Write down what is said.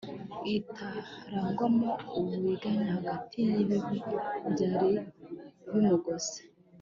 itarangwamo uburiganya hagati yibibi byari bimugose